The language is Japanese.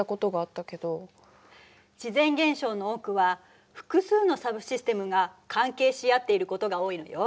自然現象の多くは複数のサブシステムが関係し合っていることが多いのよ。